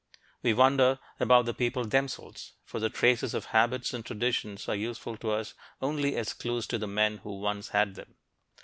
We wonder about the people themselves, for the traces of habits and traditions are useful to us only as clues to the men who once had them.